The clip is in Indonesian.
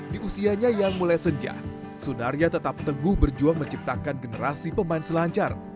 di usianya yang mulai senja sunaria tetap teguh berjuang menciptakan generasi pemain selancar